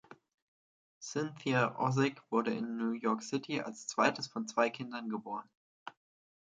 Cynthia Ozick wurde in New York City als zweites von zwei Kindern geboren.